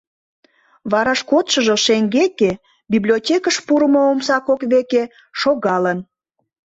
Вараш кодшыжо шеҥгеке, библиотекыш пурымо омса кок веке, шогалын.